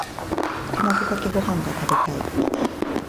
卵かけご飯が食べたい。